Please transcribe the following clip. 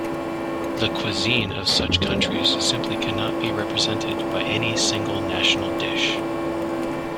The cuisine of such countries simply cannot be represented by any single national dish.